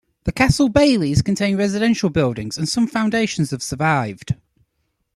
The castle baileys contained residential buildings, and some foundations have survived.